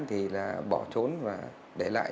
thì là bỏ trốn và để lại